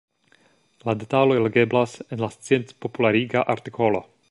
La detaloj legeblas en la sciencpopulariga artikolo.